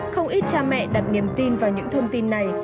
không ít cha mẹ đặt niềm tin vào những thông tin này